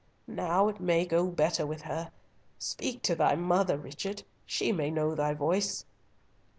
"Now it may go better with her! Speak to thy mother, Richard, she may know thy voice."